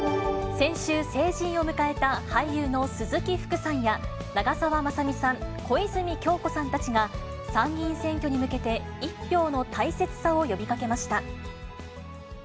先週、成人を迎えた俳優の鈴木福さんや、長澤まさみさん、小泉今日子さんたちが参議院選挙に向けて１票の大切さを呼びかけました。